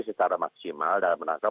secara maksimal dalam menangkap